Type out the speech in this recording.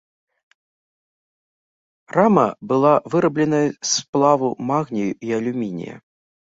Рама была вырабленай з сплаву магнію і алюмінія.